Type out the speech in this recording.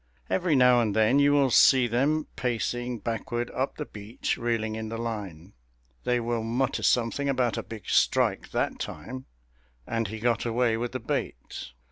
Every now and then you will see them pacing backward up the beach, reeling in the line. They will mutter something about a big strike that time, and he got away with the bait.